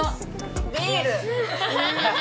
ビール。